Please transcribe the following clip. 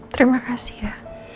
terima kasih ya